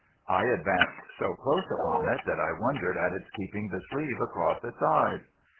I advanced so close upon it that I wondered at its keeping the sleeve across its eyes.